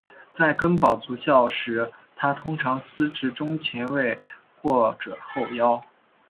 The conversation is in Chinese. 在根宝足校时他通常司职中前卫或者后腰。